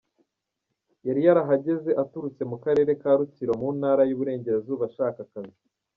Yari yarahageze aturutse mu Karere ka Rutsiro mu Ntara y’Uburengerazuba ashaka akazi.